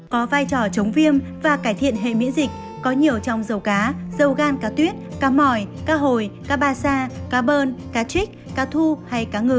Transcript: có vai trò chống viêm và cải thiện hệ miễn dịch có nhiều trong dầu cá dầu gan cá tuyết cá mỏi cá hồi cá ba sa cá bơn cá trích cá thu hay cá ngừ